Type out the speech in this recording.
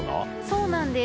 そうなんです。